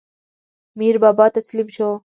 میربابا تسلیم شو.